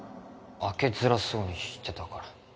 開けづらそうにしてたから